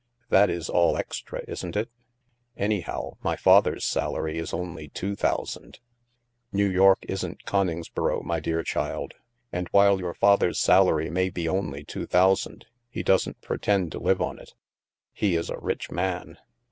That is all extra, isn't it? Anyhow, my father's salary is only two thou sand." *' New York isn't Coningsboro, my dear child. And while your father's salary may be only two thousand, he doesn't pretend to live on it. He is a rich man.